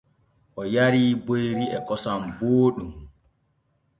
O yarii boyri e kosam booɗɗum.